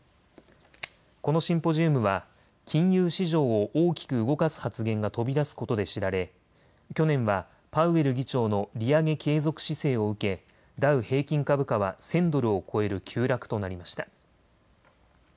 このシンポジウムは金融市場を大きく動かす発言が飛び出すことで知られ去年はパウエル議長の利上げ継続姿勢を受けダウ平均株価は１０００ドルを超える急落となりました。